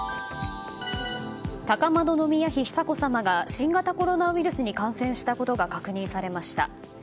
高円宮妃・久子さまが新型コロナウイルスに感染したことが確認されました。